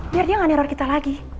biar dia nggak neror kita lagi